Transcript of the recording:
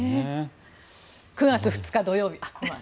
９月２日、土曜日。